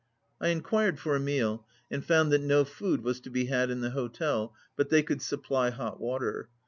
I enquired for a meal, and found that no food was to be had in the hotel, but they could supply hot water.